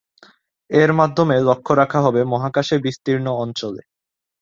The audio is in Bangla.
এর মাধ্যমে লক্ষ্য রাখা হবে মহাকাশে বিস্তীর্ণ অঞ্চলে।